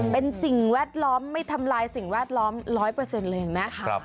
เป็นสิ่งแวดล้อมไม่ทำลายสิ่งแวดล้อมร้อยเปอร์เซ็นต์เลยเห็นไหม